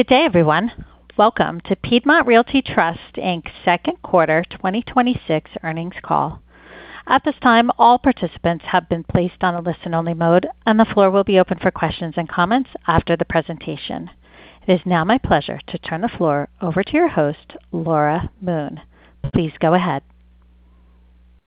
Good day, everyone. Welcome to Piedmont Realty Trust, Inc.'s second quarter 2026 earnings call. At this time, all participants have been placed on a listen-only mode, and the floor will be open for questions and comments after the presentation. It is now my pleasure to turn the floor over to your host, Laura Moon. Please go ahead.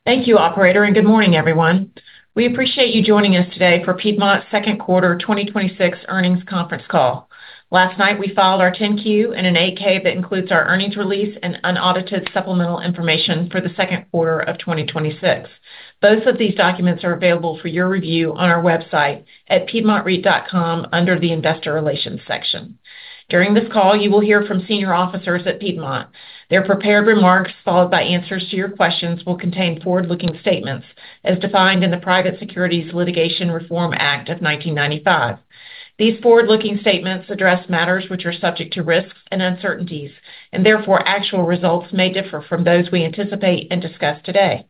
Thank you, operator, and good morning, everyone. We appreciate you joining us today for Piedmont's second quarter 2026 earnings conference call. Last night, we filed our 10-Q and an 8-K that includes our earnings release and unaudited supplemental information for the second quarter of 2026. Both of these documents are available for your review on our website at piedmontreit.com under the investor relations section. During this call, you will hear from senior officers at Piedmont. Their prepared remarks, followed by answers to your questions, will contain forward-looking statements as defined in the Private Securities Litigation Reform Act of 1995. These forward-looking statements address matters which are subject to risks and uncertainties, and therefore actual results may differ from those we anticipate and discuss today.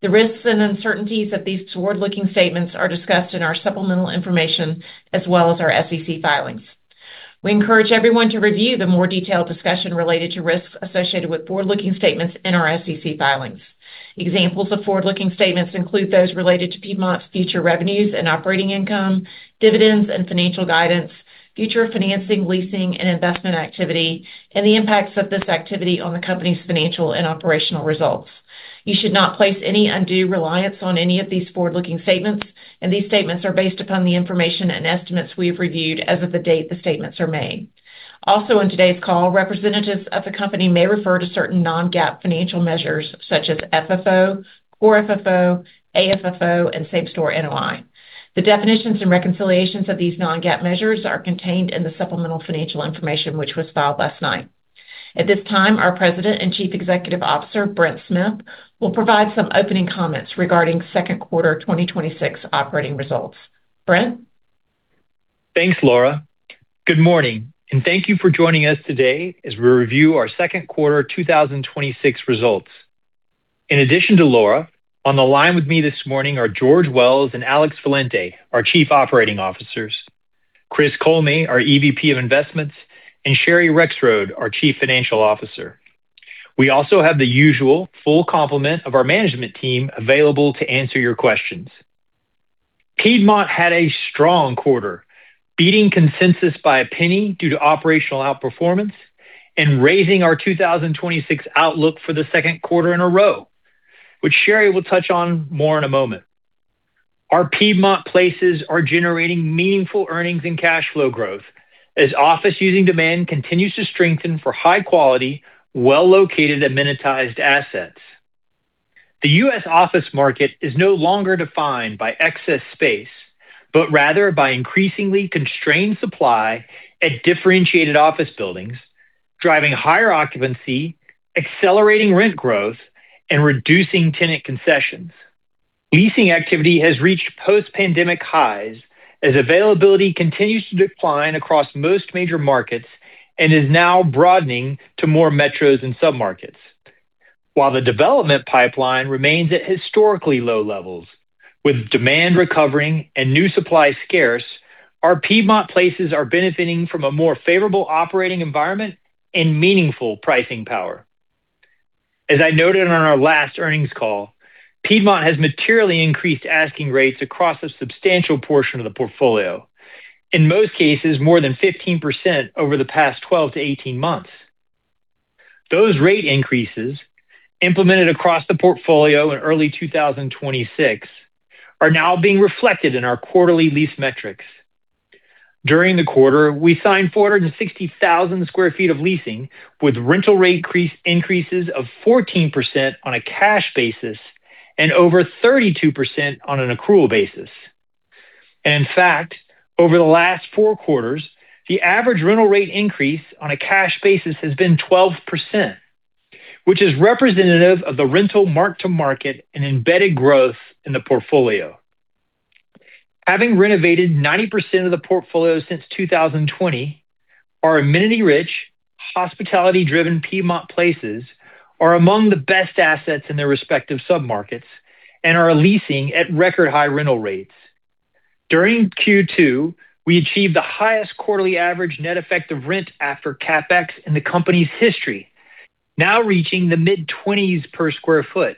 The risks and uncertainties of these forward-looking statements are discussed in our supplemental information as well as our SEC filings. We encourage everyone to review the more detailed discussion related to risks associated with forward-looking statements in our SEC filings. Examples of forward-looking statements include those related to Piedmont's future revenues and operating income, dividends and financial guidance, future financing, leasing, and investment activity, and the impacts of this activity on the company's financial and operational results. You should not place any undue reliance on any of these forward-looking statements, and these statements are based upon the information and estimates we have reviewed as of the date the statements are made. Also in today's call, representatives of the company may refer to certain non-GAAP financial measures such as FFO, Core FFO, AFFO, and same store NOI. The definitions and reconciliations of these non-GAAP measures are contained in the supplemental financial information, which was filed last night. At this time, our President and Chief Executive Officer, Brent Smith, will provide some opening comments regarding second quarter 2026 operating results. Brent? Thanks, Laura. Good morning, thank you for joining us today as we review our second quarter 2026 results. In addition to Laura, on the line with me this morning are George Wells and Alex Valente, our Chief Operating Officers, Chris Kollme, our EVP of Investments, and Sherry Rexroad, our Chief Financial Officer. We also have the usual full complement of our management team available to answer your questions. Piedmont had a strong quarter, beating consensus by a penny due to operational outperformance and raising our 2026 outlook for the second quarter in a row, which Sherry will touch on more in a moment. Our Piedmont PLACEs are generating meaningful earnings and cash flow growth as office using demand continues to strengthen for high quality, well-located amenitized assets. The U.S. office market is no longer defined by excess space, but rather by increasingly constrained supply at differentiated office buildings, driving higher occupancy, accelerating rent growth, and reducing tenant concessions. Leasing activity has reached post-pandemic highs as availability continues to decline across most major markets and is now broadening to more metros and submarkets. While the development pipeline remains at historically low levels, with demand recovering and new supply scarce, our Piedmont PLACEs are benefiting from a more favorable operating environment and meaningful pricing power. As I noted on our last earnings call, Piedmont has materially increased asking rates across a substantial portion of the portfolio, in most cases, more than 15% over the past 12-18 months. Those rate increases, implemented across the portfolio in early 2026, are now being reflected in our quarterly lease metrics. During the quarter, we signed 460,000 sq ft of leasing with rental rate increases of 14% on a cash basis and over 32% on an accrual basis. In fact, over the last four quarters, the average rental rate increase on a cash basis has been 12%, which is representative of the rental mark to market and embedded growth in the portfolio. Having renovated 90% of the portfolio since 2020, our amenity-rich, hospitality-driven Piedmont PLACEs are among the best assets in their respective submarkets and are leasing at record high rental rates. During Q2, we achieved the highest quarterly average Net Effective Rent after CapEx in the company's history, now reaching the mid-20s per square foot,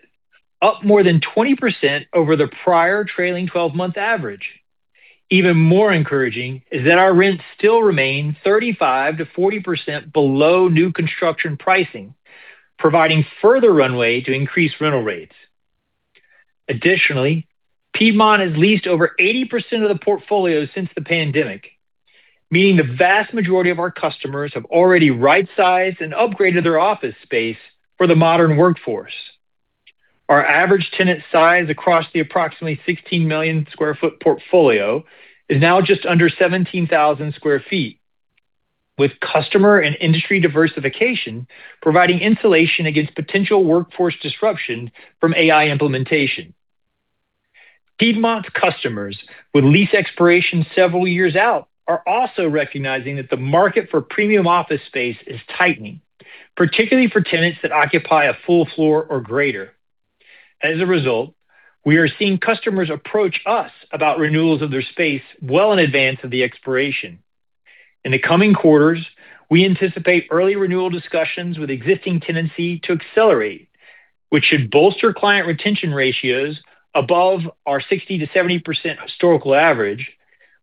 up more than 20% over the prior trailing 12-month average. Even more encouraging is that our rents still remain 35%-40% below new construction pricing, providing further runway to increase rental rates. Additionally, Piedmont has leased over 80% of the portfolio since the pandemic, meaning the vast majority of our customers have already right sized and upgraded their office space for the modern workforce. Our average tenant size across the approximately 16 million square foot portfolio is now just under 17,000 sq ft, with customer and industry diversification providing insulation against potential workforce disruption from AI implementation. Piedmont's customers with lease expiration several years out are also recognizing that the market for premium office space is tightening, particularly for tenants that occupy a full floor or greater. As a result, we are seeing customers approach us about renewals of their space well in advance of the expiration. In the coming quarters, we anticipate early renewal discussions with existing tenancy to accelerate, which should bolster client retention ratios above our 60%-70% historical average,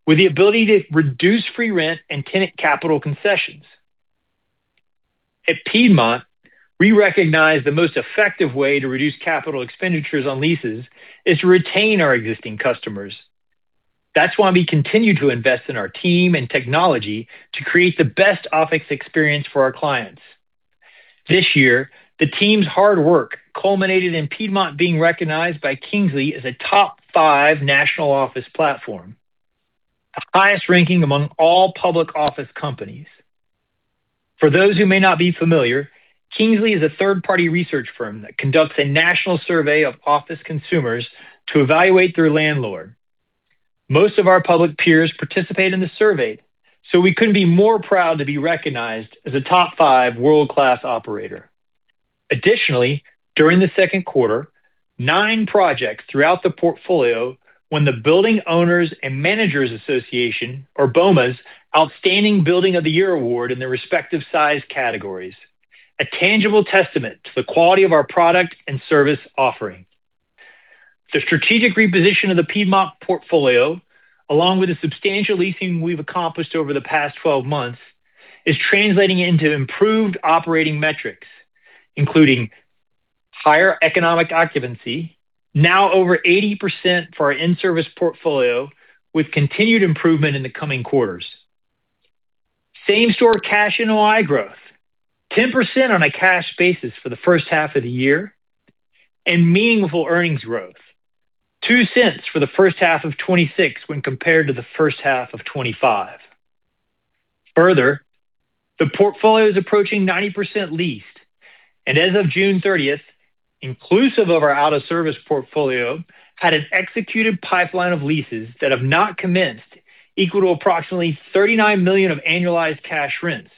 with the ability to reduce free rent and tenant capital concessions. At Piedmont, we recognize the most effective way to reduce capital expenditures on leases is to retain our existing customers. That's why we continue to invest in our team and technology to create the best office experience for our clients. This year, the team's hard work culminated in Piedmont being recognized by Kingsley as a top five national office platform, the highest ranking among all public office companies. For those who may not be familiar, Kingsley is a third-party research firm that conducts a national survey of office consumers to evaluate their landlord. Most of our public peers participate in the survey, so I couldn't be more proud to be recognized as a top five world-class operator. Additionally, during the second quarter, nine projects throughout the portfolio won the Building Owners and Managers Association, or BOMA's, Outstanding Building of the Year Award in their respective size categories, a tangible testament to the quality of our product and service offering. The strategic reposition of the Piedmont portfolio, along with the substantial leasing we've accomplished over the past 12 months, is translating into improved operating metrics, including higher economic occupancy, now over 80% for our in-service portfolio, with continued improvement in the coming quarters. Same store cash NOI growth 10% on a cash basis for the first half of the year, meaningful earnings growth, $0.02 for the first half of 2026 when compared to the first half of 2025. Further, the portfolio is approaching 90% leased, as of June 30th, inclusive of our out of service portfolio, had an executed pipeline of leases that have not commenced, equal to approximately $39 million of annualized cash rents.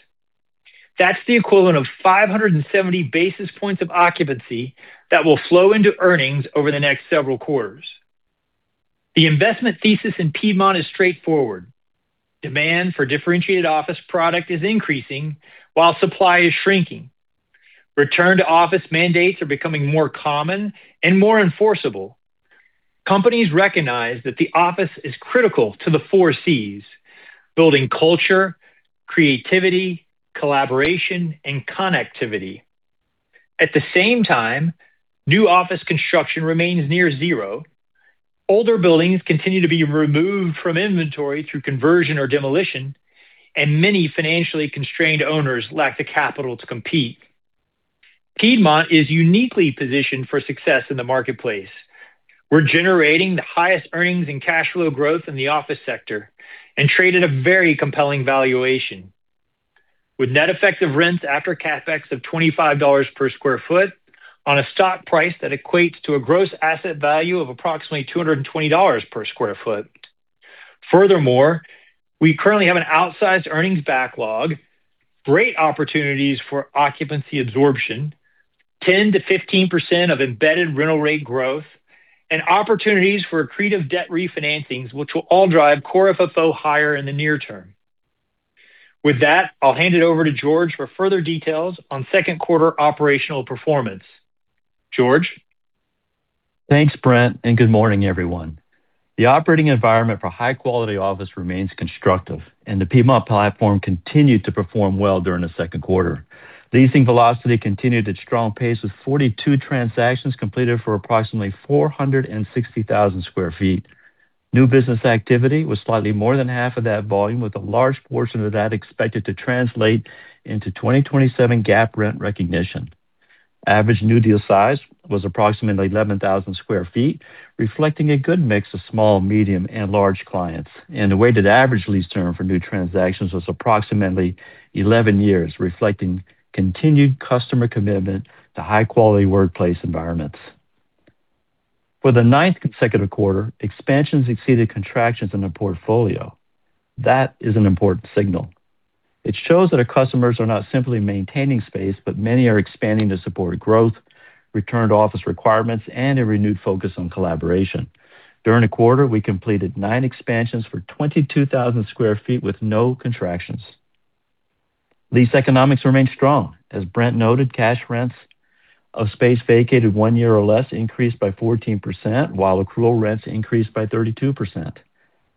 That's the equivalent of 570 basis points of occupancy that will flow into earnings over the next several quarters. The investment thesis in Piedmont is straightforward. Demand for differentiated office product is increasing while supply is shrinking. Return to office mandates are becoming more common and more enforceable. Companies recognize that the office is critical to the four Cs, building culture, creativity, collaboration, and connectivity. At the same time, new office construction remains near zero. Older buildings continue to be removed from inventory through conversion or demolition, and many financially constrained owners lack the capital to compete. Piedmont is uniquely positioned for success in the marketplace. We're generating the highest earnings and cash flow growth in the office sector and trade at a very compelling valuation. With net effective rents after CapEx of $25 per square foot on a stock price, that equates to a gross asset value of approximately $220 per square foot. Furthermore, we currently have an outsized earnings backlog, great opportunities for occupancy absorption, 10%-15% of embedded rental rate growth, and opportunities for accretive debt refinancings, which will all drive Core FFO higher in the near term. With that, I'll hand it over to George for further details on second quarter operational performance. George? Thanks, Brent, and good morning, everyone. The operating environment for high quality office remains constructive, and the Piedmont platform continued to perform well during the second quarter. Leasing velocity continued at a strong pace with 42 transactions completed for approximately 460,000 sq ft. New business activity was slightly more than 1/2 of that volume, with a large portion of that expected to translate into 2027 GAAP rent recognition. Average new deal size was approximately 11,000 sq ft, reflecting a good mix of small, medium, and large clients, and a weighted average lease term for new transactions was approximately 11 years, reflecting continued customer commitment to high quality workplace environments. For the ninth consecutive quarter, expansions exceeded contractions in the portfolio. That is an important signal. It shows that our customers are not simply maintaining space, but many are expanding to support growth, return to office requirements, and a renewed focus on collaboration. During the quarter, we completed nine expansions for 22,000 sq ft with no contractions. Lease economics remained strong. As Brent noted, cash rents of space vacated one year or less increased by 14%, while accrual rents increased by 32%.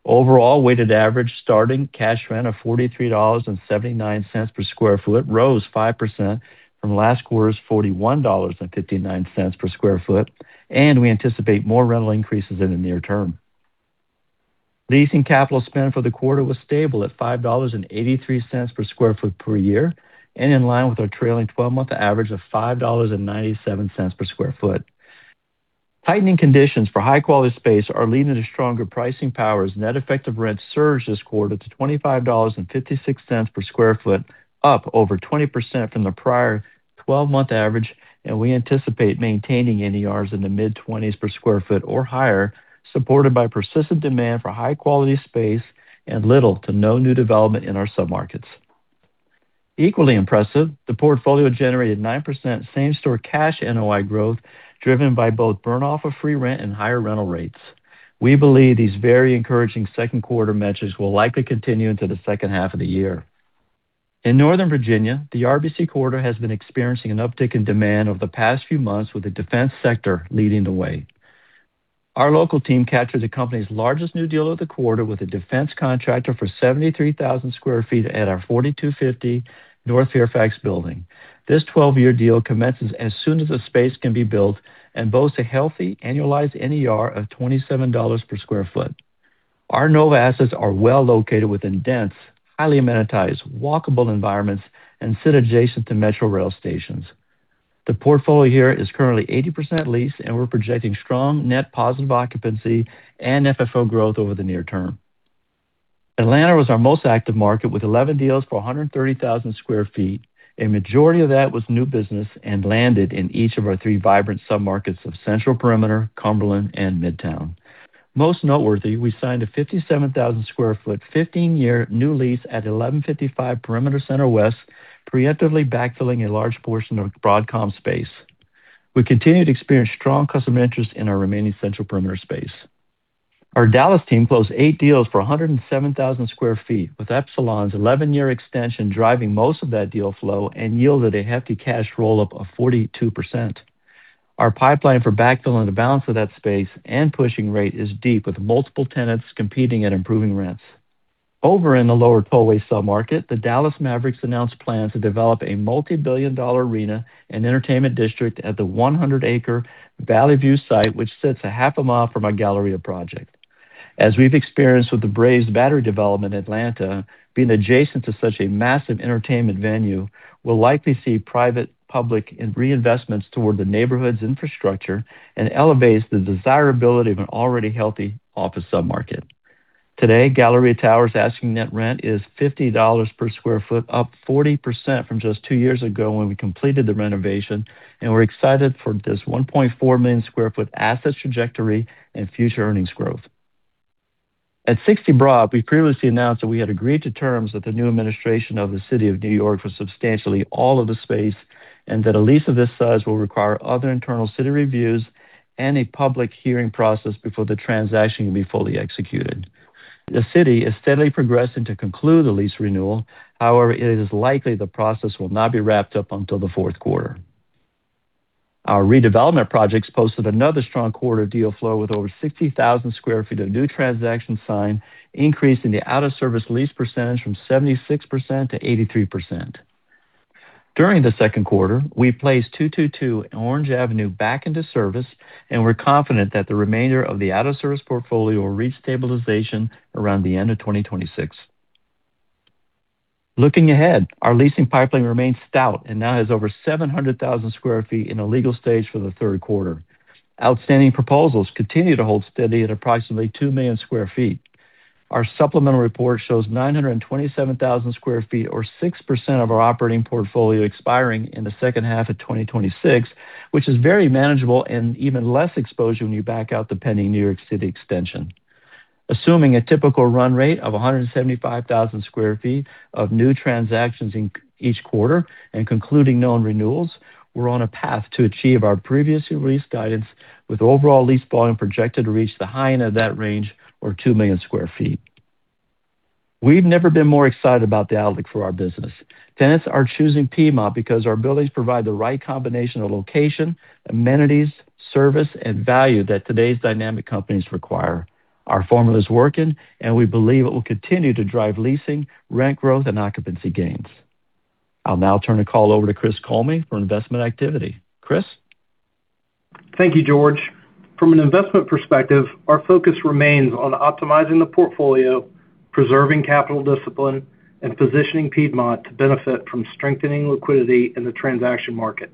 Overall, weighted average starting cash rent of $43.79 per square foot rose 5% from last quarter's $41.59 per square foot, and we anticipate more rental increases in the near term. Leasing capital spend for the quarter was stable at $5.83 per square foot per year and in line with our trailing 12-month average of $5.97 per square foot. Tightening conditions for high-quality space are leading to stronger pricing power as Net Effective Rent surged this quarter to $25.56 per square foot, up over 20% from the prior 12-month average, and we anticipate maintaining NERs in the mid-20s per square foot or higher, supported by persistent demand for high-quality space and little to no new development in our submarkets. Equally impressive, the portfolio generated 9% same-store cash NOI growth, driven by both burn off of free rent and higher rental rates. We believe these very encouraging second quarter metrics will likely continue into the second half of the year. In Northern Virginia, the RB Corridor has been experiencing an uptick in demand over the past few months, with the defense sector leading the way. Our local team captured the company's largest new deal of the quarter with a defense contractor for 73,000 sq ft at our 4250 North Fairfax building. This 12-year deal commences as soon as the space can be built and boasts a healthy annualized NER of $27 per square foot. Our NOVA assets are well located within dense, highly amenitized, walkable environments and sit adjacent to Metrorail stations. The portfolio here is currently 80% leased, and we're projecting strong net positive occupancy and FFO growth over the near term. Atlanta was our most active market, with 11 deals for 130,000 sq ft. A majority of that was new business and landed in each of our three vibrant submarkets of Central Perimeter, Cumberland, and Midtown. Most noteworthy, we signed a 57,000 sq ft, 15-year new lease at 1155 Perimeter Center West, preemptively backfilling a large portion of Broadcom's space. We continue to experience strong customer interest in our remaining Central Perimeter space. Our Dallas team closed eight deals for 107,000 sq ft, with Epsilon's 11-year extension driving most of that deal flow and yielded a hefty cash roll-up of 42%. Our pipeline for backfilling the balance of that space and pushing rate is deep, with multiple tenants competing and improving rents. Over in the Lower Tollway submarket, the Dallas Mavericks announced plans to develop a multibillion-dollar arena and entertainment district at the 100-acre Valley View site, which sits a half a mile from our Galleria project. As we've experienced with The Battery Atlanta development in Atlanta, being adjacent to such a massive entertainment venue will likely see private, public, and reinvestments toward the neighborhood's infrastructure and elevates the desirability of an already healthy office submarket. Today, Galleria Tower's asking net rent is $50 per square foot, up 40% from just two years ago when we completed the renovation, and we're excited for this 1.4 million square foot asset's trajectory and future earnings growth. At 60 Broad, we previously announced that we had agreed to terms with the new administration of the City of New York for substantially all of the space, and that a lease of this size will require other internal city reviews and a public hearing process before the transaction can be fully executed. The city is steadily progressing to conclude the lease renewal. However, it is likely the process will not be wrapped up until the fourth quarter. Our redevelopment projects posted another strong quarter deal flow, with over 60,000 sq ft of new transaction sign, increasing the out of service lease percentage from 76%-83%. During the second quarter, we placed 222 Orange Avenue back into service, and we're confident that the remainder of the out of service portfolio will reach stabilization around the end of 2026. Looking ahead, our leasing pipeline remains stout and now has over 700,000 sq ft in a legal stage for the third quarter. Outstanding proposals continue to hold steady at approximately 2 million square feet. Our supplemental report shows 927,000 square feet or 6% of our operating portfolio expiring in the second half of 2026, which is very manageable and even less exposure when you back out the pending New York City extension. Assuming a typical run rate of 175,000 sq ft of new transactions in each quarter and concluding known renewals, we're on a path to achieve our previously released guidance with overall lease volume projected to reach the high end of that range or 2 million square feet. We've never been more excited about the outlook for our business. Tenants are choosing Piedmont because our buildings provide the right combination of location, amenities, service, and value that today's dynamic companies require. Our formula is working, and we believe it will continue to drive leasing, rent growth, and occupancy gains. I'll now turn the call over to Chris Kollme for investment activity. Chris? Thank you, George. From an investment perspective, our focus remains on optimizing the portfolio, preserving capital discipline, and positioning Piedmont to benefit from strengthening liquidity in the transaction market.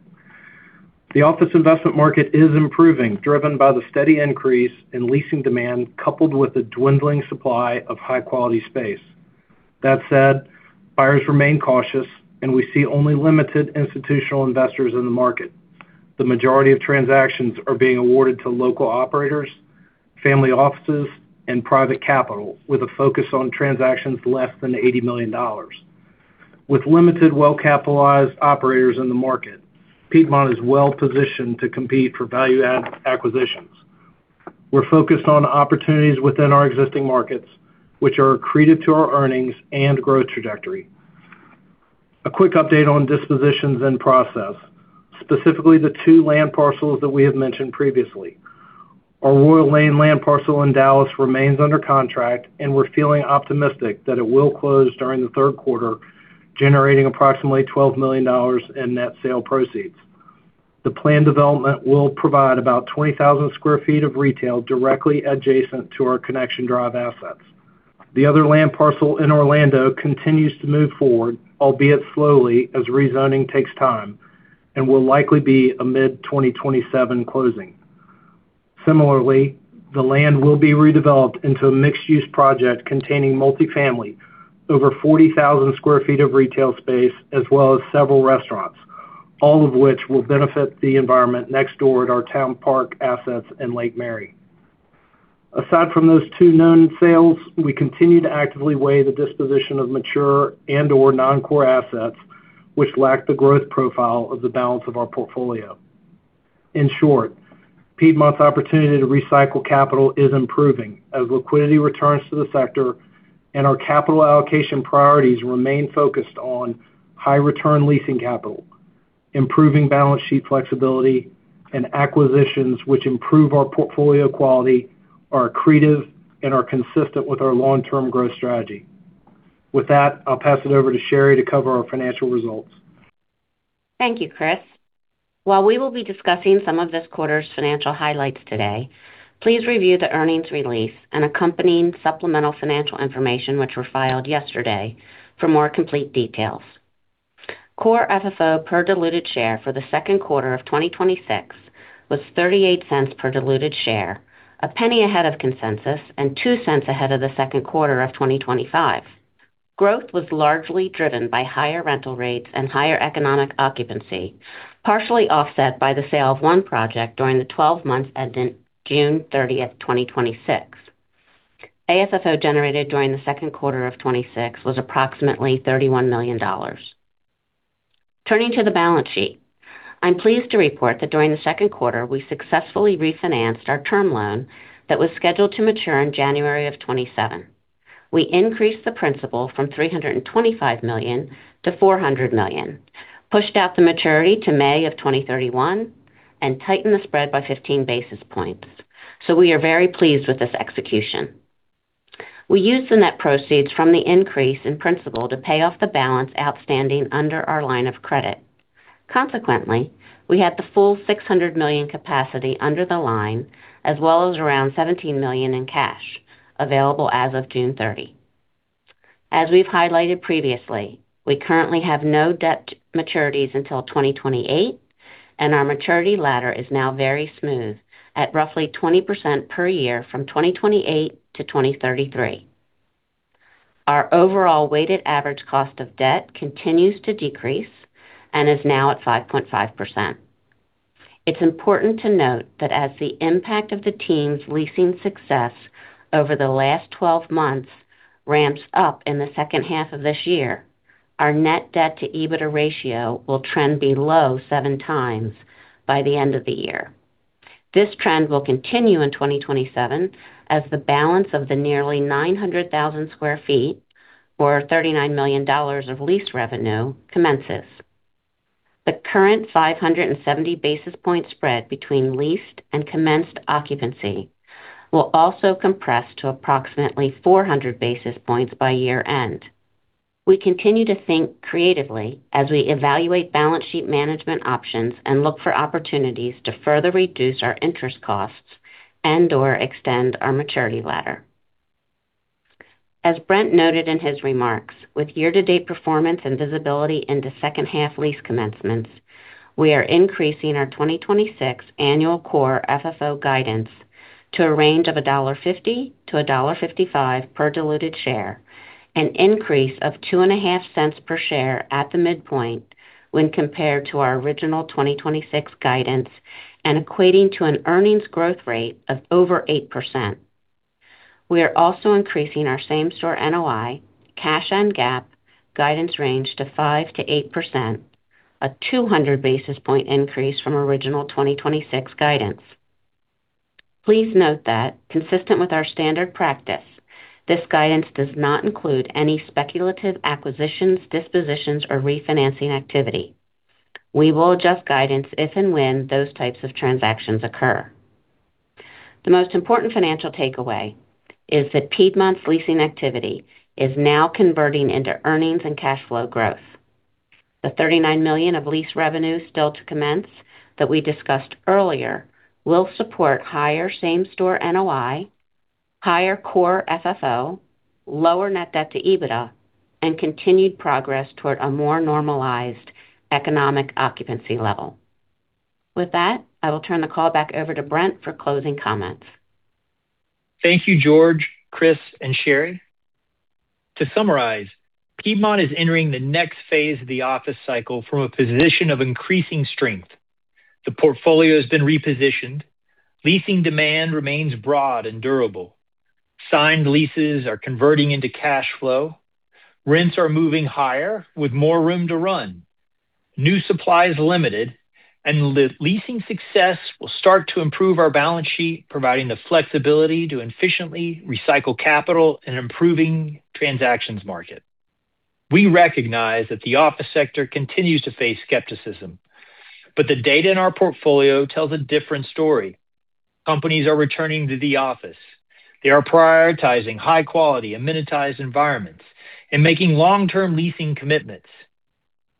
The office investment market is improving, driven by the steady increase in leasing demand, coupled with the dwindling supply of high-quality space. That said, buyers remain cautious, and we see only limited institutional investors in the market. The majority of transactions are being awarded to local operators, family offices, and private capital, with a focus on transactions less than $80 million. With limited well-capitalized operators in the market, Piedmont is well positioned to compete for value acquisitions. We're focused on opportunities within our existing markets, which are accretive to our earnings and growth trajectory. A quick update on dispositions and process, specifically the two land parcels that we have mentioned previously. Our Royal Lane land parcel in Dallas remains under contract, and we're feeling optimistic that it will close during the third quarter, generating approximately $12 million in net sale proceeds. The planned development will provide about 20,000 sq ft of retail directly adjacent to our Connection Drive assets. The other land parcel in Orlando continues to move forward, albeit slowly, as rezoning takes time and will likely be a mid-2027 closing. Similarly, the land will be redeveloped into a mixed-use project containing multifamily, over 40,000 sq ft of retail space, as well as several restaurants, all of which will benefit the environment next door at our Town Park assets in Lake Mary. Aside from those two known sales, we continue to actively weigh the disposition of mature and/or non-core assets which lack the growth profile of the balance of our portfolio. In short, Piedmont's opportunity to recycle capital is improving as liquidity returns to the sector and our capital allocation priorities remain focused on high return leasing capital, improving balance sheet flexibility, and acquisitions which improve our portfolio quality, are accretive, and are consistent with our long-term growth strategy. With that, I'll pass it over to Sherry to cover our financial results. Thank you, Chris. While we will be discussing some of this quarter's financial highlights today, please review the earnings release and accompanying supplemental financial information, which were filed yesterday, for more complete details. Core FFO per diluted share for the second quarter of 2026 was $0.38 per diluted share, $0.01 ahead of consensus and $0.02 ahead of the second quarter of 2025. Growth was largely driven by higher rental rates and higher economic occupancy, partially offset by the sale of one project during the 12 months ending June 30th, 2026. AFFO generated during the second quarter of 2026 was approximately $31 million. Turning to the balance sheet, I'm pleased to report that during the second quarter, we successfully refinanced our term loan that was scheduled to mature in January of 2027. We increased the principal from $325 million-$400 million, pushed out the maturity to May of 2031, and tightened the spread by 15 basis points. We are very pleased with this execution. We used the net proceeds from the increase in principal to pay off the balance outstanding under our line of credit. Consequently, we had the full $600 million capacity under the line, as well as around $17 million in cash available as of June 30. As we've highlighted previously, we currently have no debt maturities until 2028, and our maturity ladder is now very smooth at roughly 20% per year from 2028 to 2033. Our overall weighted average cost of debt continues to decrease and is now at 5.5%. It's important to note that as the impact of the team's leasing success over the last 12 months ramps up in the second half of this year, our net debt to EBITDA ratio will trend below 7x by the end of the year. This trend will continue in 2027 as the balance of the nearly 900,000 sq ft or $39 million of leased revenue commences. The current 570 basis point spread between leased and commenced occupancy will also compress to approximately 400 basis points by year-end. We continue to think creatively as we evaluate balance sheet management options and look for opportunities to further reduce our interest costs and/or extend our maturity ladder. As Brent noted in his remarks, with year-to-date performance and visibility into second half lease commencements, we are increasing our 2026 annual Core FFO guidance to a range of $1.50-$1.55 per diluted share, an increase of $0.025 per share at the midpoint when compared to our original 2026 guidance and equating to an earnings growth rate of over 8%. We are also increasing our same-store NOI, cash and GAAP guidance range to 5%-8%, a 200 basis point increase from original 2026 guidance. Please note that consistent with our standard practice, this guidance does not include any speculative acquisitions, dispositions, or refinancing activity. We will adjust guidance if and when those types of transactions occur. The most important financial takeaway is that Piedmont's leasing activity is now converting into earnings and cash flow growth. The $39 million of lease revenue still to commence that we discussed earlier will support higher same-store NOI, higher Core FFO, lower net debt to EBITDA, and continued progress toward a more normalized economic occupancy level. With that, I will turn the call back over to Brent for closing comments. Thank you, George, Chris, and Sherry. To summarize, Piedmont is entering the next phase of the office cycle from a position of increasing strength. The portfolio has been repositioned. Leasing demand remains broad and durable. Signed leases are converting into cash flow. Rents are moving higher with more room to run. New supply is limited, and the leasing success will start to improve our balance sheet, providing the flexibility to efficiently recycle capital in an improving transactions market. We recognize that the office sector continues to face skepticism, but the data in our portfolio tells a different story. Companies are returning to the office. They are prioritizing high-quality, amenitized environments and making long-term leasing commitments.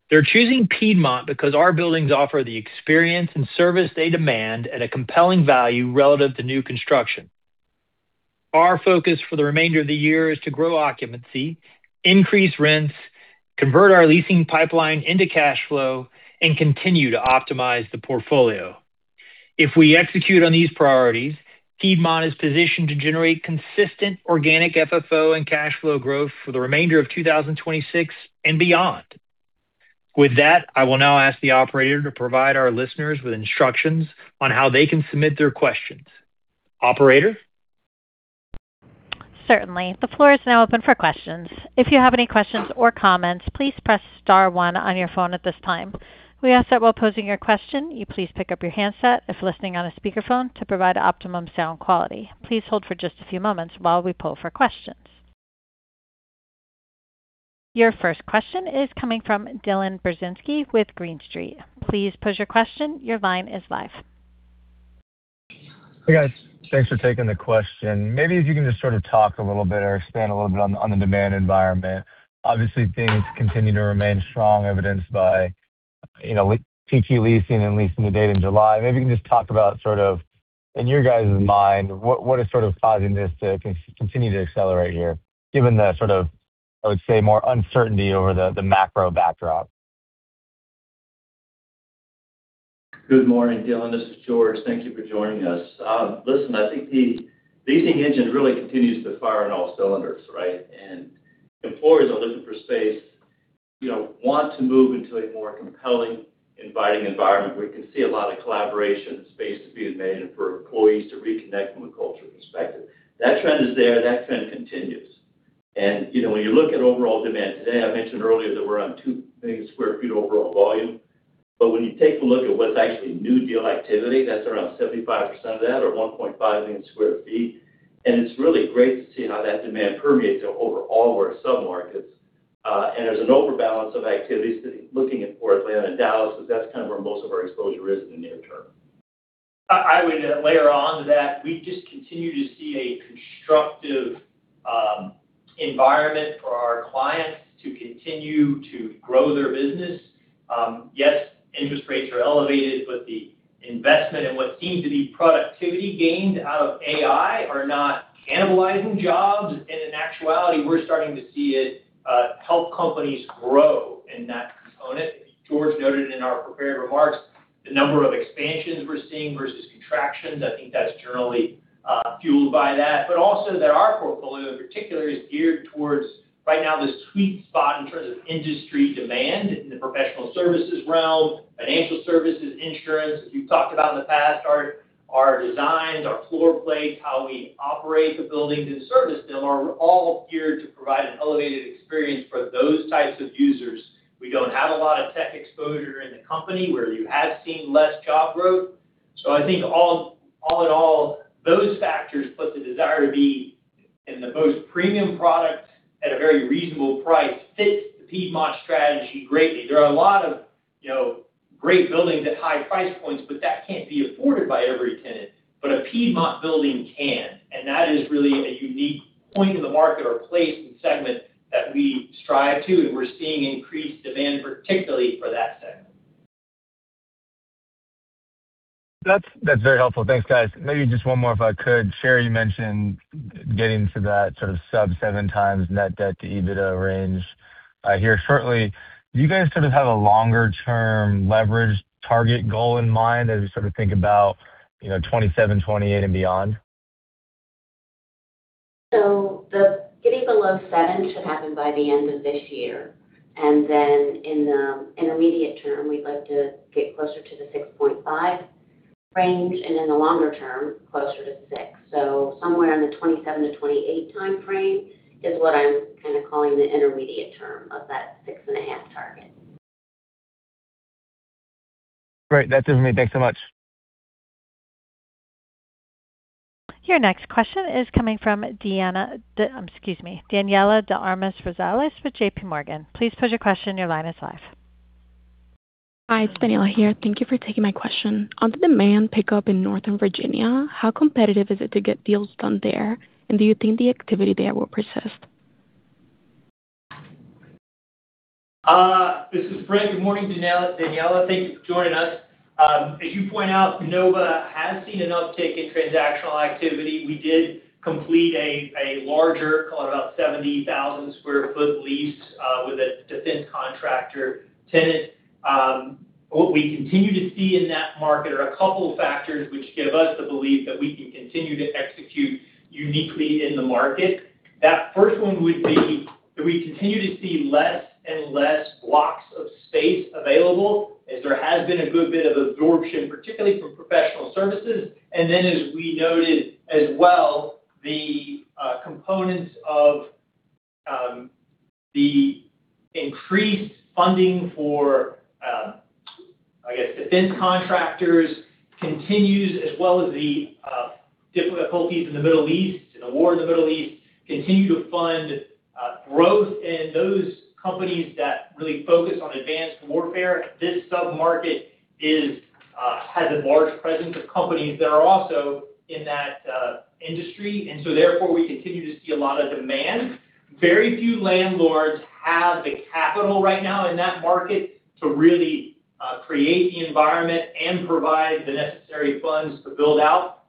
They are choosing Piedmont because our buildings offer the experience and service they demand at a compelling value relative to new construction. Our focus for the remainder of the year is to grow occupancy, increase rents, convert our leasing pipeline into cash flow, and continue to optimize the portfolio. If we execute on these priorities, Piedmont is positioned to generate consistent organic FFO and cash flow growth for the remainder of 2026 and beyond. With that, I will now ask the operator to provide our listeners with instructions on how they can submit their questions. Operator? Certainly. The floor is now open for questions. If you have any questions or comments, please press star one on your phone at this time. We ask that while posing your question, you please pick up your handset if listening on a speakerphone to provide optimum sound quality. Please hold for just a few moments while we poll for questions. Your first question is coming from Dylan Burzinski with Green Street. Please pose your question. Your line is live. Hey, guys. Thanks for taking the question. Maybe if you can just sort of talk a little bit or expand a little bit on the demand environment. Obviously, things continue to remain strong, evidenced by TT leasing and leasing the date in July. Maybe you can just talk about, in your guys' mind, what is causing this to continue to accelerate here, given the, I would say, more uncertainty over the macro backdrop. Good morning, Dylan. This is George. Thank you for joining us. Listen, I think the leasing engine really continues to fire on all cylinders, right? Employers are looking for space, want to move into a more compelling, inviting environment where you can see a lot of collaboration and space to be invented for employees to reconnect from a culture perspective. That trend is there. That trend continues. When you look at overall demand today, I mentioned earlier that we're around 2 million square feet overall volume. But when you take a look at what's actually new deal activity, that's around 75% of that or 1.5 million square feet. It's really great to see how that demand permeates over all of our sub-markets. There's an overbalance of activities looking at for Atlanta and Dallas, because that's kind of where most of our exposure is in the near term. I would layer on to that. We just continue to see a constructive environment for our clients to continue to grow their business. Yes, interest rates are elevated, but the investment and what seems to be productivity gained out of AI are not cannibalizing jobs. In actuality, we're starting to see it help companies grow in that component. George noted in our prepared remarks the number of expansions we're seeing versus contractions. I think that's generally fueled by that. Also that our portfolio in particular is geared towards right now the sweet spot in terms of industry demand in the professional services realm, financial services, insurance, as we've talked about in the past. Our designs, our floor plates, how we operate the buildings and service them are all geared to provide an elevated experience for those types of users. We don't have a lot of tech exposure in the company where you have seen less job growth. I think all in all, those factors plus the desire to be in the most premium product at a very reasonable price fits the Piedmont strategy greatly. There are a lot of great buildings at high price points, but that can't be afforded by every tenant, a Piedmont building can. That is really a unique point in the market or place and segment that we strive to, and we're seeing increased demand, particularly for that segment. That's very helpful. Thanks, guys. Maybe just one more, if I could. Sherry, you mentioned getting to that sort of sub 7x net debt to EBITDA range here shortly. Do you guys' sort of have a longer-term leverage target goal in mind as you sort of think about 2027, 2028 and beyond? The getting below seven should happen by the end of this year. In the intermediate term, we'd like to get closer to the 6.5 range, and in the longer term, closer to six. Somewhere in the 2027-to-2028-time frame is what I'm kind of calling the intermediate term of that 6.5 target. Great. That's it for me. Thanks so much. Your next question is coming from Daniella de Armas Rosales with JPMorgan. Please pose your question. Your line is live. Hi, it's Daniella here. Thank you for taking my question. On the demand pickup in Northern Virginia, how competitive is it to get deals done there? Do you think the activity there will persist? This is Brent. Good morning, Daniella. Thank you for joining us. As you point out, Nova has seen an uptick in transactional activity. We did complete a larger, call it about 70,000 sq ft lease, with a defense contractor tenant. What we continue to see in that market are a couple of factors which give us the belief that we can continue to execute uniquely in the market. That first one would be that we continue to see less and less blocks of space available as there has been a good bit of absorption, particularly from professional services. As we noted as well, the components of the increased funding for, I guess, defense contractors continues, as well as the difficulties in the Middle East and the war in the Middle East continue to fund growth in those companies that really focus on advanced warfare. This sub-market has a large presence of companies that are also in that industry, therefore, we continue to see a lot of demand. Very few landlords have the capital right now in that market to really create the environment and provide the necessary funds to build out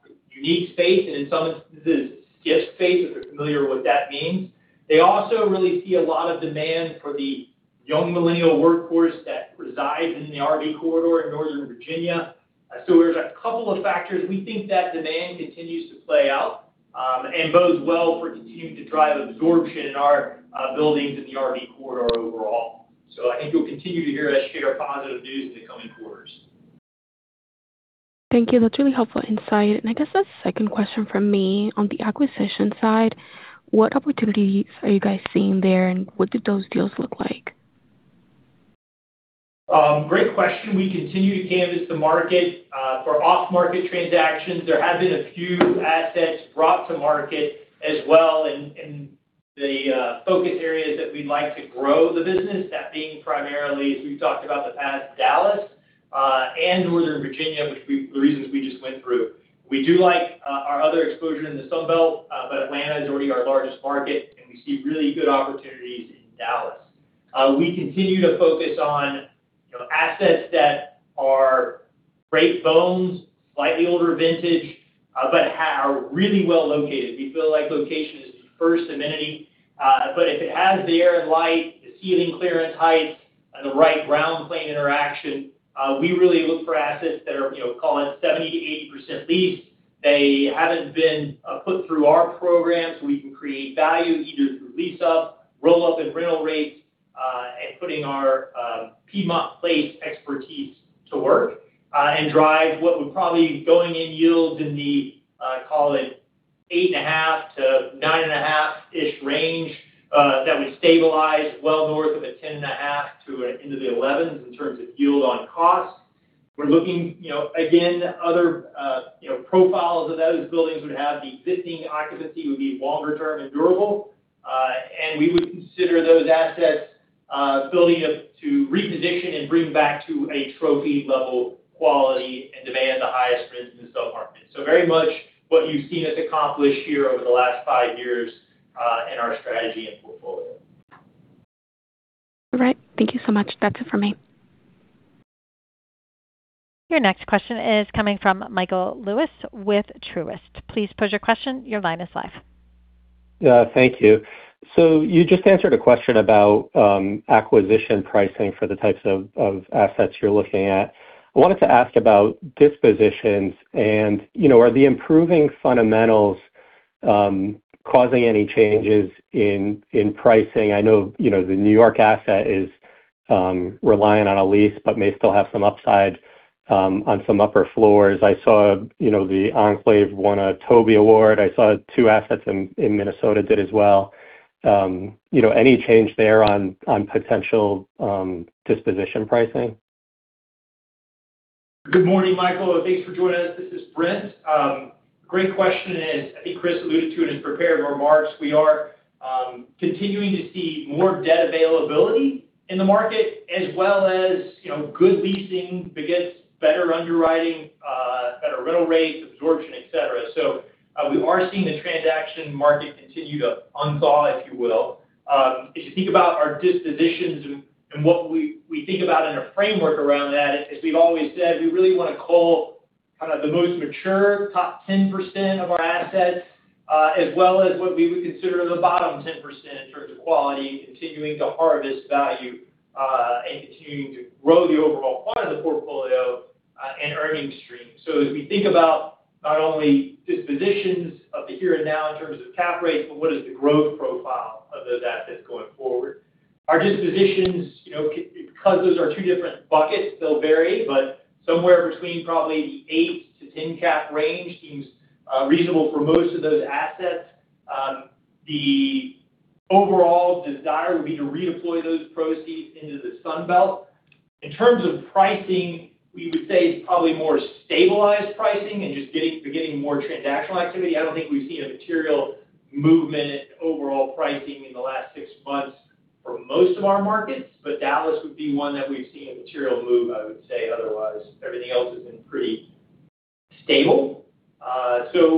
unique space, and in some instances, [gift space], if you're familiar with what that means. They also really see a lot of demand for the young millennial workforce that resides in the RB Corridor in Northern Virginia. There's a couple of factors. We think that demand continues to play out and bodes well for continuing to drive absorption in our buildings in the RB Corridor overall. I think you'll continue to hear us share positive news in the coming quarters. Thank you. That's really helpful insight. I guess that's the second question from me on the acquisition side, what opportunities are you guys seeing there, and what do those deals look like? Great question. We continue to canvas the market for off-market transactions. There have been a few assets brought to market as well in the focus areas that we'd like to grow the business, that being primarily, as we've talked about in the past, Dallas and Northern Virginia, which the reasons we just went through. We do like our other exposure in the Sun Belt. Atlanta is already our largest market, and we see really good opportunities in Dallas. We continue to focus on assets that are great bones, slightly older vintage, but are really well located. We feel like location is the first amenity. If it has the air and light, the ceiling clearance height, and the right ground plane interaction, we really look for assets that are, call it 70%-80% leased. They haven't been put through our program, so we can create value either through lease-up, roll-up in rental rates, and putting our Piedmont PLACEs expertise to work and drive what would probably going in yield in the, call it 8.5%-9.5%-ish range that would stabilize well north of a 10.5% to into the 11%s in terms of yield on cost. We're looking, again, other profiles of those buildings would have the existing occupancy would be longer term and durable. We would consider those assets ability to reposition and bring back to a trophy level quality and demand the highest rents in the sub-market. Very much what you've seen us accomplish here over the last five years in our strategy and portfolio. All right. Thank you so much. That's it for me. Your next question is coming from Michael Lewis with Truist. Please pose your question. Your line is live. Thank you. You just answered a question about acquisition pricing for the types of assets you're looking at. I wanted to ask about dispositions and are the improving fundamentals causing any changes in pricing? I know the New York asset is reliant on a lease but may still have some upside on some upper floors. I saw The Enclave won a TOBY award. I saw two assets in Minnesota did as well. Any change there on potential disposition pricing? Good morning, Michael, and thanks for joining us. This is Brent. Great question, and I think Chris alluded to it in his prepared remarks. We are continuing to see more debt availability in the market as well as good leasing begets better underwriting, better rental rates, absorption, et cetera. We are seeing the transaction market continue to unthaw, if you will. If you think about our dispositions and what we think about in a framework around that, as we've always said, we really want to cull kind of the most mature top 10% of our assets as well as what we would consider the bottom 10% in terms of quality, continuing to harvest value and continuing to grow the overall part of the portfolio and earning stream. As we think about not only dispositions of the here and now in terms of cap rates, but what is the growth profile of those assets going forward. Our dispositions, because those are two different buckets, they'll vary, but somewhere between probably the 8-10 cap range seems reasonable for most of those assets. The overall desire would be to redeploy those proceeds into the Sun Belt. In terms of pricing, we would say it's probably more stabilized pricing and just beginning more transactional activity. I don't think we've seen a material movement in overall pricing in the last six months for most of our markets, but Dallas would be one that we've seen a material move, I would say otherwise. Everything else has been pretty stable.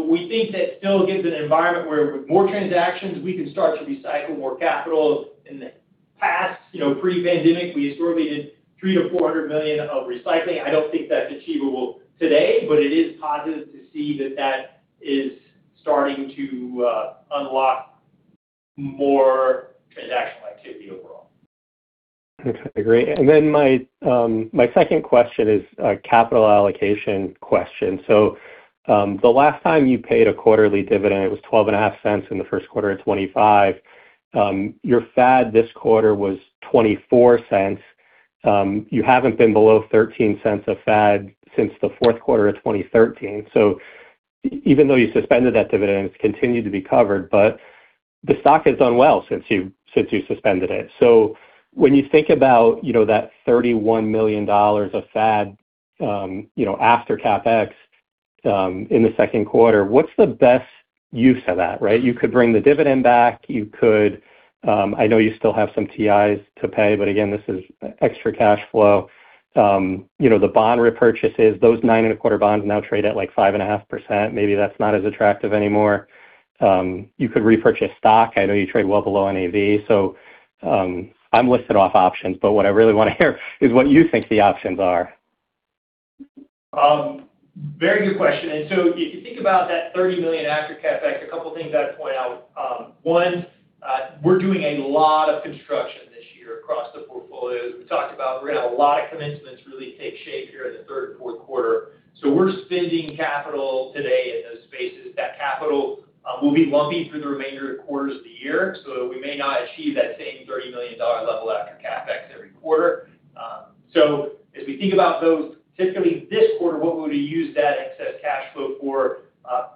We think that still gives an environment where with more transactions, we can start to recycle more capital. In the past, pre-pandemic, we historically did $300 million-$400 million of recycling. I don't think that's achievable today, but it is positive to see that that is starting to unlock more transactional activity overall. My second question is a capital allocation question. The last time you paid a quarterly dividend, it was $0.125 in the first quarter of 2025. Your FAD this quarter was $0.24. You haven't been below $0.13 of FAD since the fourth quarter of 2013. Even though you suspended that dividend, it's continued to be covered. The stock has done well since you suspended it. When you think about that $31 million of FAD after CapEx in the second quarter, what's the best use of that, right? You could bring the dividend back. I know you still have some TIs to pay, but again, this is extra cash flow. The bond repurchases, those 9.25 bonds now trade at 5.5%. Maybe that's not as attractive anymore. You could repurchase stock. I know you trade well below NAV. I'm listing off options, but what I really want to hear is what you think the options are. Very good question. If you think about that $30 million after CapEx, a couple of things I'd point out. One, we're doing a lot of construction this year portfolios. We talked about we're going to have a lot of commencements really take shape here in the third and fourth quarter. We're spending capital today in those spaces. That capital will be lumpy through the remainder of quarters of the year, we may not achieve that same $30 million level after CapEx every quarter. As we think about those, typically this quarter, what would we use that excess cash flow for?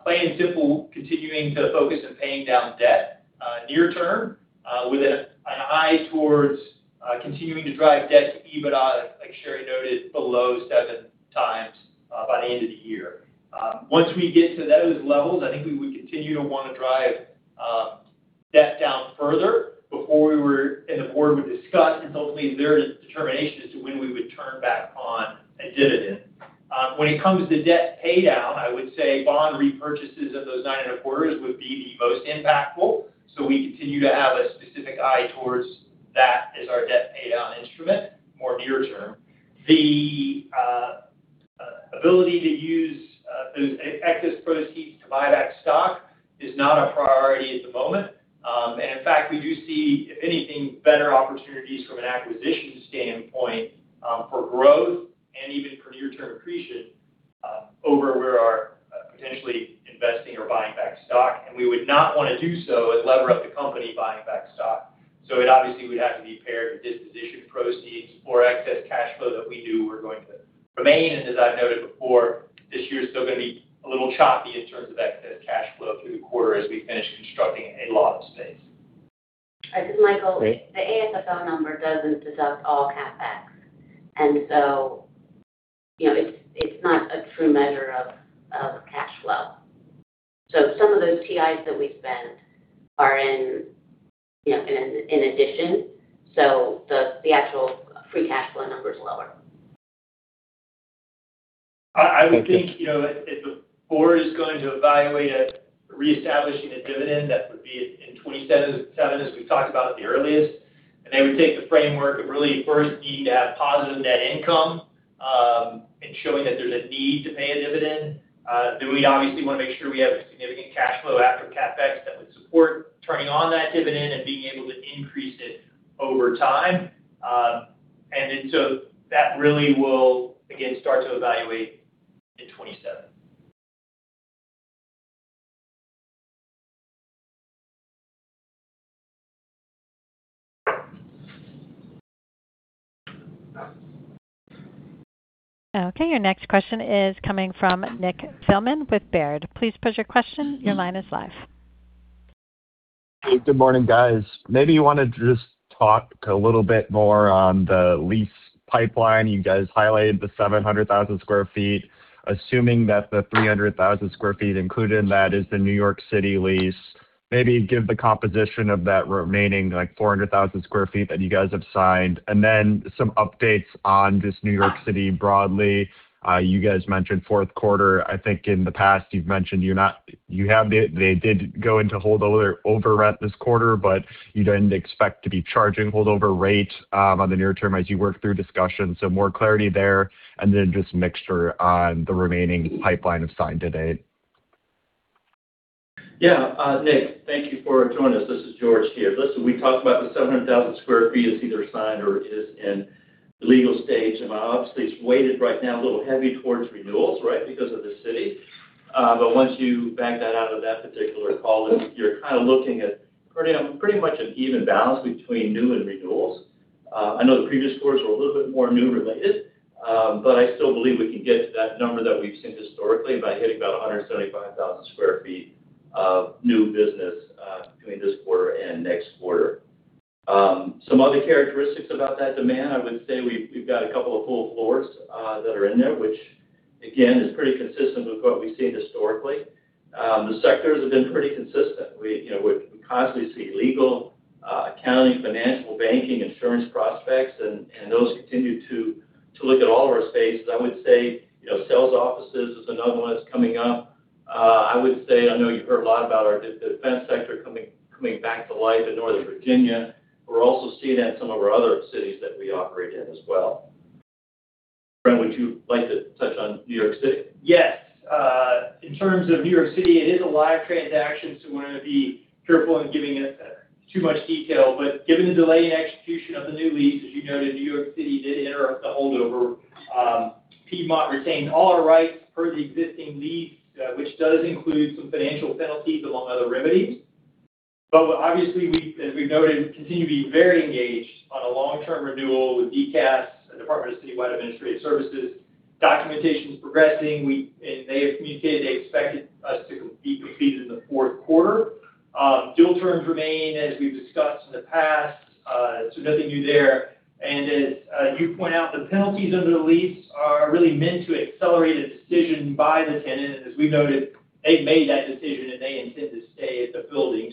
Plain and simple, continuing to focus on paying down debt near-term, with an eye towards continuing to drive debt to EBITDA, like Sherry noted, below 7x by the end of the year. Once we get to those levels, I think we would continue to want to drive debt down further before we were, and the board would discuss, and hopefully their determination as to when we would turn back on a dividend. When it comes to debt pay down, I would say bond repurchases of those 9.25s would be the most impactful. We continue to have a specific eye towards that as our debt pay down instrument, more near term. The ability to use those excess proceeds to buy back stock is not a priority at the moment. In fact, we do see, if anything, better opportunities from an acquisition standpoint, for growth and even for near-term accretion, over where our potentially investing or buying back stock. We would not want to do so as lever up the company buying back stock. It obviously would have to be paired with disposition proceeds or excess cash flow that we knew were going to remain. As I've noted before, this year's still going to be a little choppy in terms of excess cash flow through the quarter as we finish constructing a lot of space. Michael, the AFFO number doesn't deduct all CapEx. It's not a true measure of cash flow. Some of those TIs that we spend are in addition. The actual free cash flow number's lower. I would think, if the board is going to evaluate us reestablishing a dividend, that would be in 2027, as we talked about at the earliest. They would take the framework of really first needing to have positive net income, and showing that there's a need to pay a dividend. We'd obviously want to make sure we have a significant cash flow after CapEx that would support turning on that dividend and being able to increase it over time. That really will again start to evaluate in 2027. Okay, your next question is coming from Nick Thillman with Baird. Please pose your question. Your line is live. Good morning, guys. Maybe you want to just talk a little bit more on the lease pipeline. You guys highlighted the 700,000 sq ft, assuming that the 300,000 sq ft included in that is the New York City lease. Maybe give the composition of that remaining 400,000 sq ft that you guys have signed, and then some updates on just New York City broadly. You guys mentioned fourth quarter. I think in the past you've mentioned they did go into holdover rent this quarter, but you didn't expect to be charging holdover rate on the near term as you work through discussions. More clarity there, and then just mixture on the remaining pipeline of signed to date. Nick, thank you for joining us. This is George here. Listen, we talked about the 700,000 sq ft is either signed or is in the legal stage. Obviously, it's weighted right now a little heavy towards renewals, right? Because of the city. Once you back that out of that particular column, you're kind of looking at pretty much an even balance between new and renewals. I know the previous quarters were a little bit more new related. I still believe we can get to that number that we've seen historically by hitting about 175,000 sq ft of new business, between this quarter and next quarter. Some other characteristics about that demand, I would say we've got a couple of full floors that are in there, which again, is pretty consistent with what we've seen historically. The sectors have been pretty consistent. We constantly see legal, accounting, financial, banking, insurance prospects, and those continue to look at all of our spaces. I would say, sales offices is another one that's coming up. I would say, I know you've heard a lot about our defense sector coming back to life in Northern Virginia. We're also seeing that in some of our other cities that we operate in as well. Brent, would you like to touch on New York City? In terms of New York City, it is a live transaction, we want to be careful in giving it too much detail. Given the delay in execution of the new lease, as you noted, New York City did enter up the holdover. Piedmont retained all our rights per the existing lease, which does include some financial penalties along other remedies. Obviously, as we've noted, continue to be very engaged on a long-term renewal with DCAS, the Department of Citywide Administrative Services. Documentation's progressing. They have communicated they expected us to be completed in the fourth quarter. Deal terms remain as we've discussed in the past, nothing new there. As you point out, the penalties under the lease are really meant to accelerate a decision by the tenant, as we've noted, they've made that decision and they intend to stay at the building.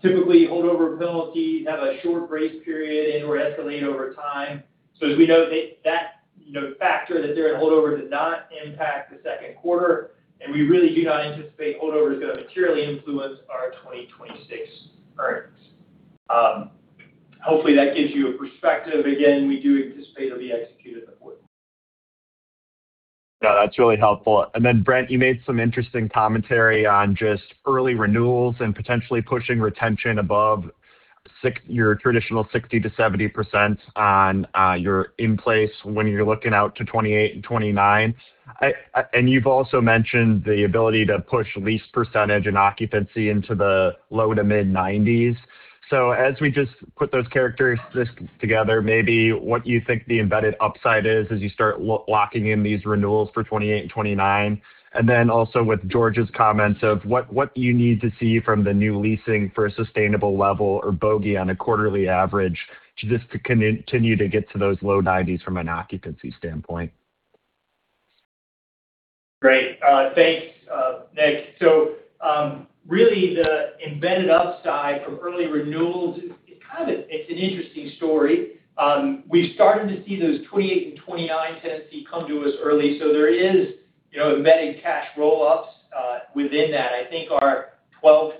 Typically, holdover penalties have a short grace period and/or escalate over time. As we noted, that factor that they're in holdover does not impact the second quarter, and we really do not anticipate holdover is going to materially influence our 2026 earnings. Hopefully, that gives you a perspective. Again, we do anticipate it'll be executed the fourth quarter. That's really helpful. Then Brent, you made some interesting commentary on just early renewals and potentially pushing retention above your traditional 60%-70% on your in-place when you're looking out to 2028 and 2029. You've also mentioned the ability to push lease percentage and occupancy into the low to mid-90s. As we just put those characteristics together, maybe what you think the embedded upside is as you start locking in these renewals for 2028 and 2029. Then also with George's comments of what do you need to see from the new leasing for a sustainable level or bogey on a quarterly average just to continue to get to those low 90s from an occupancy standpoint? Great. Thanks, Nick. Really the embedded upside from early renewals, it's an interesting story. We've started to see those 2028 and 2029 tenancy come to us early, there is embedded cash roll-ups within that. I think our 12%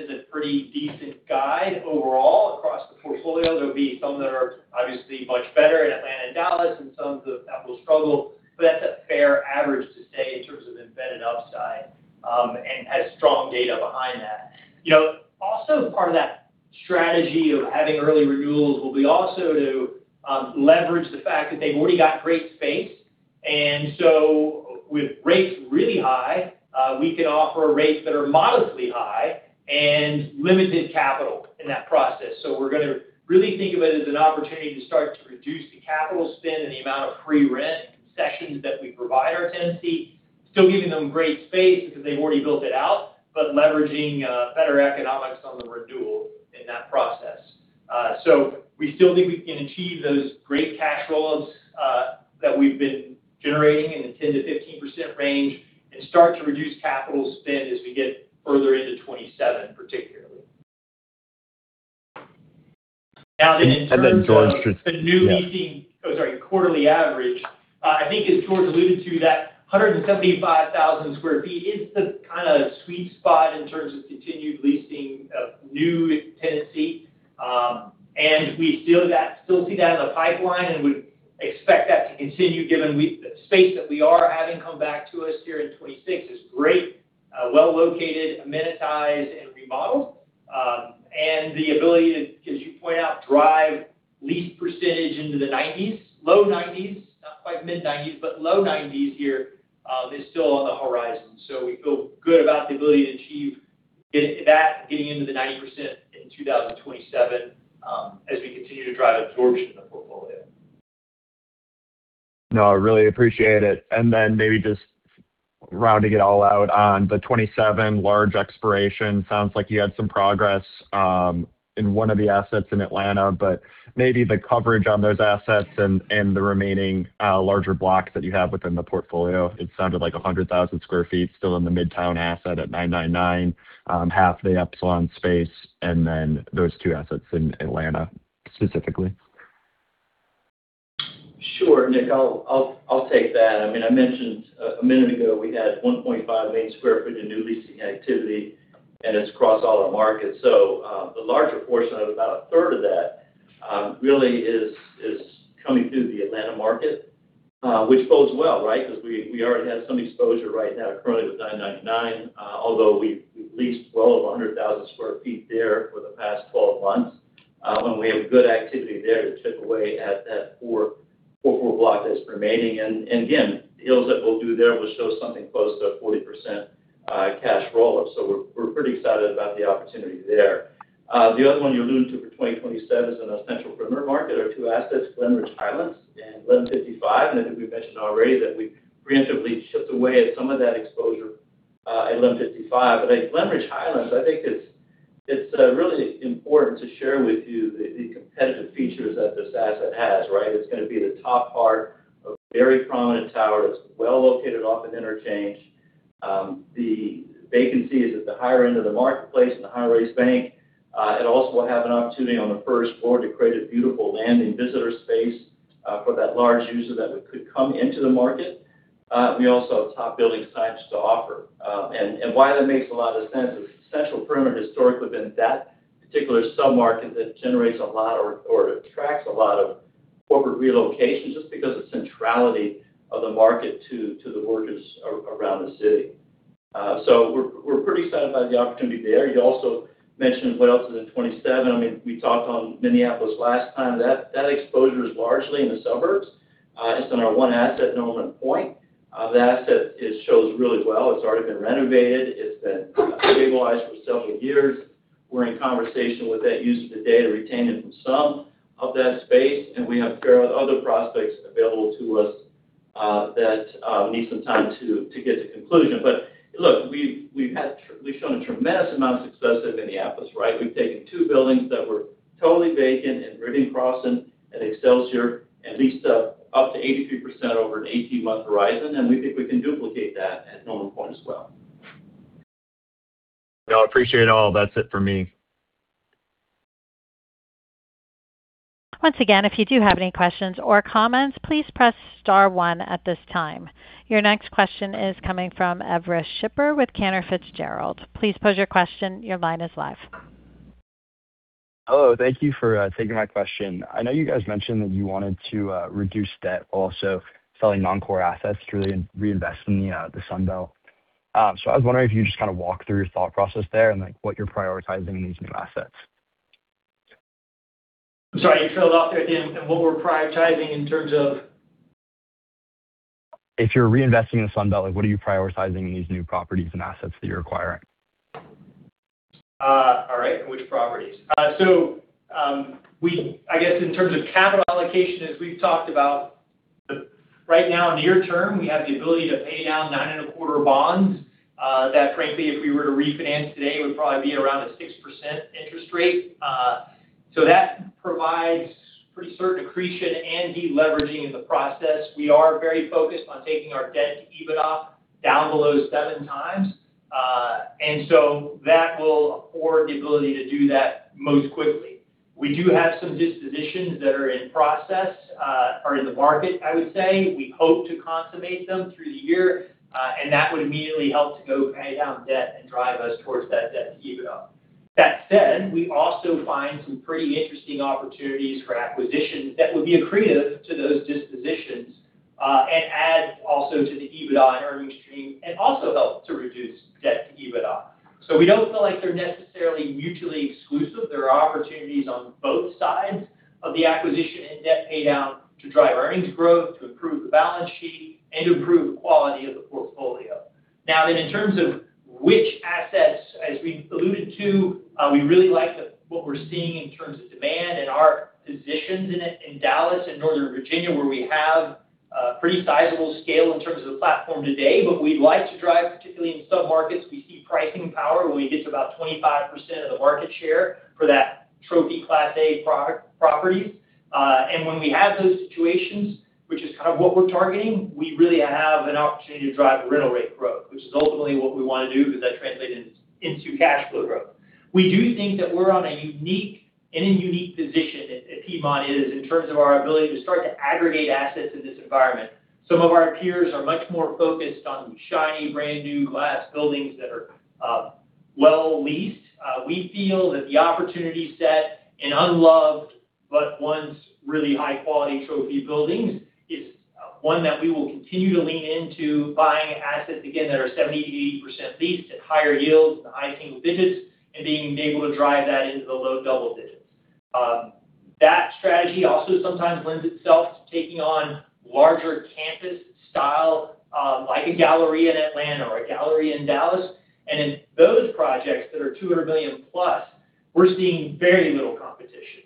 is a pretty decent guide overall across the portfolio. There will be some that are obviously much better in Atlanta and Dallas and some that will struggle. That's a fair average to say in terms of embedded upside, and has strong data behind that. Also part of that strategy of having early renewals will be also to leverage the fact that they have already got great space. With rates really high, we can offer rates that are modestly high and limited capital in that process. We are going to really think of it as an opportunity to start to reduce the capital spend and the amount of free rent concessions that we provide our tenancy, still giving them great space because they have already built it out, but leveraging better economics on the renewal in that process. We still think we can achieve those great cash roll-ups that we have been generating in the 10%-15% range and start to reduce capital spend as we get further into 2027, particularly. In terms of- George just Yeah The new leasing. Oh, sorry, quarterly average. I think as George alluded to, that 175,000 square feet is the kind of sweet spot in terms of continued leasing of new tenancy. We still see that in the pipeline and would expect that to continue given the space that we are having come back to us here in 2026 is great, well located, amenitized, and remodeled. The ability to, as you point out, drive lease percentage into the 90s, low 90s, not quite mid-90s, but low 90s here, is still on the horizon. We feel good about the ability to achieve that, getting into the 90% in 2027, as we continue to drive absorption in the portfolio. No, I really appreciate it. Maybe just rounding it all out on the 2027 large expiration. Sounds like you had some progress in one of the assets in Atlanta, maybe the coverage on those assets and the remaining larger blocks that you have within the portfolio. It sounded like 100,000 sq ft still in the Midtown asset at 999, 1/2 the Epsilon space, and then those two assets in Atlanta specifically. Sure. Nick, I'll take that. I mentioned a minute ago we had 1.5 million square foot in new leasing activity, it's across all our markets. The larger portion of about 1/3 of that really is coming through the Atlanta market, which bodes well, right? Because we already have some exposure right now currently with 999, although we've leased well over 100,000 sq ft there for the past 12 months. We have good activity there to chip away at that four-floor block that's remaining. The deals that we'll do there will show something close to a 40% cash roll-up. We're pretty excited about the opportunity there. The other one you alluded to for 2025 is in our Central Perimeter market, our two assets, Glenridge Highlands and Glen 55. I think we've mentioned already that we preemptively chipped away at some of that exposure at Glen 55. At Glenridge Highlands, I think it's really important to share with you the competitive features that this asset has, right? It's going to be the top part of a very prominent tower that's well located off an interchange. The vacancy is at the higher end of the marketplace in the high-rise bank. It also will have an opportunity on the first floor to create a beautiful landing visitor space for that large user that could come into the market. We also have top building signs to offer. Why that makes a lot of sense is Central Perimeter historically been that particular sub-market that generates a lot or attracts a lot of corporate relocations just because of centrality of the market to the workers around the city. We're pretty excited by the opportunity there. You also mentioned what else is in 2027. We talked on Minneapolis last time. That exposure is largely in the suburbs. It's in our one asset, Norman Pointe. That asset, it shows really well. It's already been renovated. It's been stabilized for several years. We're in conversation with that user today to [retain it from] some of that space, we have fair other prospects available to us that need some time to get to conclusion. Look, we've shown a tremendous amount of success in Minneapolis, right? We've taken two buildings that were totally vacant in Rittenhouse and Excelsior and leased up to 83% over an 18-month horizon, and we think we can duplicate that at Norman Pointe as well. No, I appreciate it all. That's it for me. Once again, if you do have any questions or comments, please press star one at this time. Your next question is coming from Everest Schipper with Cantor Fitzgerald. Please pose your question. Your line is live Hello. Thank you for taking my question. I know you guys mentioned that you wanted to reduce debt, also selling non-core assets to really reinvest in the Sunbelt. I was wondering if you could just kind of walk through your thought process there and what you're prioritizing in these new assets. Sorry, say that last bit again. What we're prioritizing in terms of If you're reinvesting in the Sunbelt, what are you prioritizing in these new properties and assets that you're acquiring? Which properties? I guess in terms of capital allocation, as we've talked about, right now, near term, we have the ability to pay down 9.25 bonds, that frankly, if we were to refinance today, would probably be around a 6% interest rate. That provides pretty certain accretion and de-leveraging in the process. We are very focused on taking our debt to EBITDA down below 7x. That will afford the ability to do that most quickly. We do have some dispositions that are in process, or in the market, I would say. We hope to consummate them through the year, and that would immediately help to go pay down debt and drive us towards that debt to EBITDA. That said, we also find some pretty interesting opportunities for acquisitions that would be accretive to those dispositions, add also to the EBITDA and earnings stream, and also help to reduce debt to EBITDA. We don't feel like they're necessarily mutually exclusive. There are opportunities on both sides of the acquisition and debt paydown to drive earnings growth, to improve the balance sheet, improve the quality of the portfolio. In terms of which assets, as we alluded to, we really like what we're seeing in terms of demand and our positions in it in Dallas and Northern Virginia, where we have a pretty sizable scale in terms of the platform today. We'd like to drive, particularly in sub-markets, we see pricing power when we get to about 25% of the market share for that trophy Class A properties. When we have those situations, which is kind of what we're targeting, we really have an opportunity to drive rental rate growth, which is ultimately what we want to do because that translated into cash flow growth. We do think that we're in a unique position, Piedmont is, in terms of our ability to start to aggregate assets in this environment. Some of our peers are much more focused on shiny, brand-new glass buildings that are well leased. We feel that the opportunity set in unloved, but once really high-quality trophy buildings is one that we will continue to lean into buying assets again that are 70%-80% leased at higher yields than high single digits and being able to drive that into the low double digits. That strategy also sometimes lends itself to taking on larger campus style, like a Galleria in Atlanta or a Galleria in Dallas. In those projects that are $200 million+, we're seeing very little competition.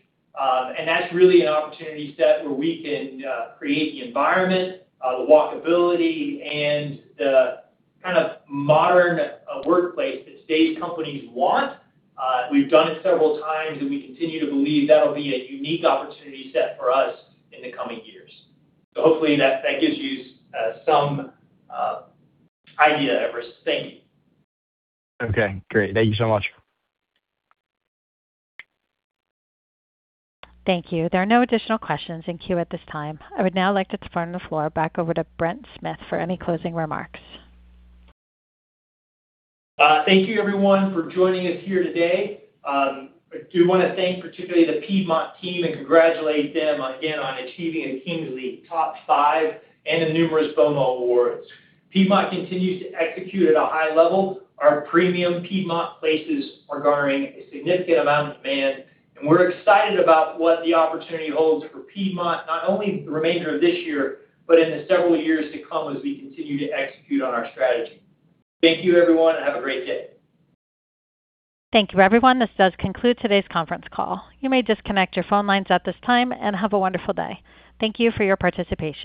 That's really an opportunity set where we can create the environment, the walkability, and the kind of modern workplace that today's companies want. We've done it several times, and we continue to believe that'll be a unique opportunity set for us in the coming years. Hopefully that gives you some idea of our thinking. Okay, great. Thank you so much. Thank you. There are no additional questions in queue at this time. I would now like to turn the floor back over to Brent Smith for any closing remarks. Thank you everyone for joining us here today. I do want to thank particularly the Piedmont team and congratulate them again on achieving a Kingsley top five and the numerous BOMA awards. Piedmont continues to execute at a high level. Our premium Piedmont PLACEs are garnering a significant amount of demand, and we're excited about what the opportunity holds for Piedmont, not only the remainder of this year, but in the several years to come as we continue to execute on our strategy. Thank you everyone and have a great day. Thank you, everyone. This does conclude today's conference call. You may disconnect your phone lines at this time and have a wonderful day. Thank you for your participation.